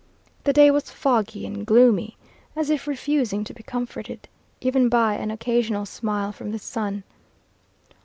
The day was foggy and gloomy, as if refusing to be comforted, even by an occasional smile from the sun.